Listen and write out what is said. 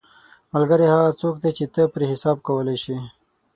ملګری هغه څوک دی چې ته پرې حساب کولی شې